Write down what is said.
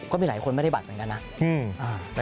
ก็มีหลายคนไม่ได้บัตรเหมือนกันนะ